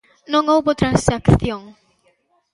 Non houbo transacción.